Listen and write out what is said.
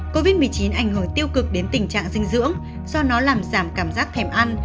covid một mươi chín ảnh hưởng tiêu cực đến tình trạng dinh dưỡng do nó làm giảm cảm giác thèm ăn